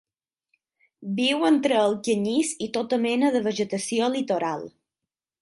Viu entre el canyís i tota mena de vegetació litoral.